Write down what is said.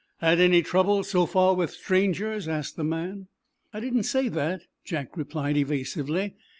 "Had any trouble, so far, with strangers?" asked the man. "I didn't say that," Jack replied, evasively.